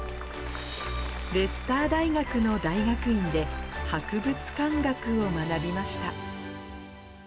レスター大学の大学院で、博物館学を学びました。